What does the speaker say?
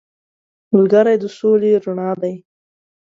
ملګری د سولې رڼا دی